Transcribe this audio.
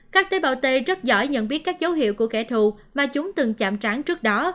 các tế bào t rất giỏi nhận biết các dấu hiệu của kẻ thù mà chúng từng chạm tráng trước đó